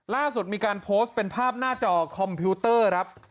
ล่าสุดมีการโพสต์เป็นภาพหน้าจอคอมพิวเตอร์ครับ